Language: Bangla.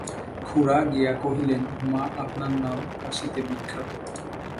খুড়া গিয়া কহিলেন, মা আপনার নাম কাশীতে বিখ্যাত।